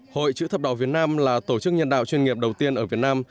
hội chữ thập đỏ việt nam là tổ chức nhân đạo chuyên nghiệp đầu tiên ở việt nam